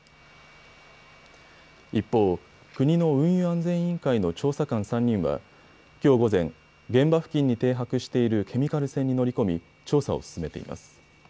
一方、国の運輸安全委員会の調査官３人はきょう午前、現場付近に停泊しているケミカル船に乗り込み調査を進めています。